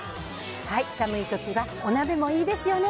寒いときは、お鍋もいいですよね。